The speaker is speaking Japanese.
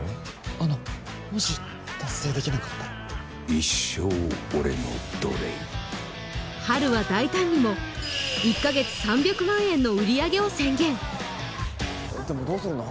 あのもし達成できなかったら一生俺の奴隷ハルは大胆にも１ヶ月３００万円の売上を宣言でもどうするの？